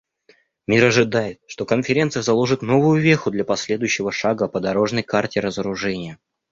Мир ожидает, что Конференция заложит новую веху для последующего шага по "дорожной карте" разоружения.